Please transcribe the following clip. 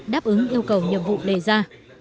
đáp ứng yêu cầu nhiệm vụ đề ra